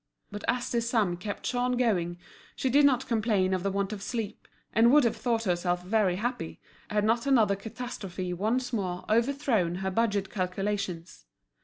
But as this sum kept Jean going she did not complain of the want of sleep, and would have thought herself very happy had not another catastrophe once more overthrown her budget calculations.